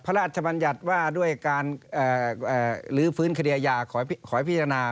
พระราชบัญญัติว่าด้วยการหลือฟื้นคดียาขอยพิจาระ